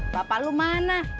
bapak lu mana